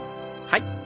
はい。